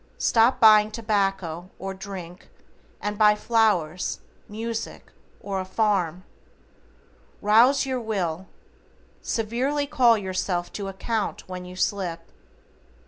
Stop buying tobacco, or drink, and buy flowers, music, or a farm. ROUSE YOUR WILL. SEVERELY CALL YOURSELF TO ACCOUNT WHEN YOU SLIP.